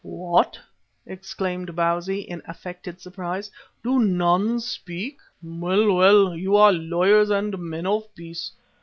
"What!" exclaimed Bausi, in affected surprise. "Do none speak? Well, well, you are lawyers and men of peace.